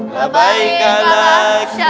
la baik allahumma syarikalah